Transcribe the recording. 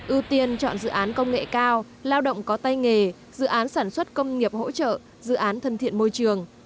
ưu tiên chọn dự án công nghệ cao lao động có tay nghề dự án sản xuất công nghiệp hỗ trợ dự án thân thiện môi trường